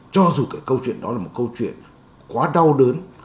cho dù cái câu chuyện đó là một câu chuyện quá đau đớn